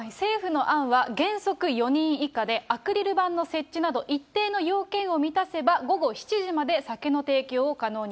政府の案は原則４人以下で、アクリル板の設置など、一定の要件を満たせば、午後７時まで酒の提供を可能に。